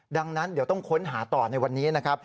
ดังนั้นเดี๋ยวต้องค้นหาต่อในวันนี้นะครับ